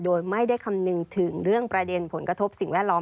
โดยไม่ได้คำนึงถึงเรื่องประเด็นผลกระทบสิ่งแวดล้อม